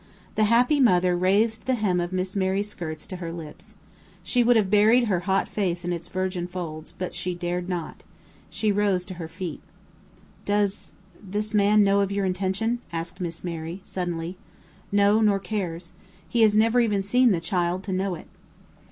The happy mother raised the hem of Miss Mary's skirts to her lips. She would have buried her hot face in its virgin folds, but she dared not. She rose to her feet. "Does this man know of your intention?" asked Miss Mary, suddenly. "No, nor cares. He has never even seen the child to know it."